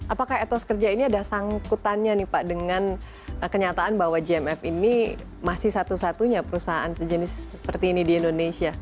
apakah etos kerja ini ada sangkutannya nih pak dengan kenyataan bahwa gmf ini masih satu satunya perusahaan sejenis seperti ini di indonesia